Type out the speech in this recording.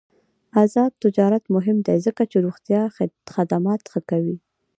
آزاد تجارت مهم دی ځکه چې روغتیا خدمات ښه کوي.